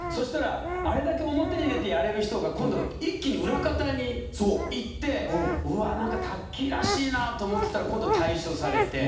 あれだけ表に出てやれる人が一気に裏方にいってタッキーらしいなと思っていたら退所されて。